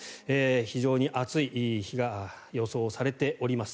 非常に暑い日が予想されております。